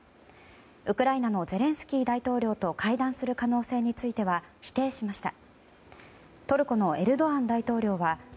ウクライナのゼレンスキー大統領と会談する可能性については否定しました。